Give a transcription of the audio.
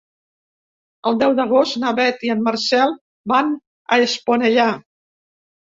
El deu d'agost na Beth i en Marcel van a Esponellà.